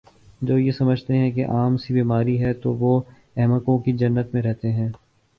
جو یہ سمجھتے ہیں یہ عام سی بیماری ہے تو وہ احمقوں کی جنت میں رہتے ہیں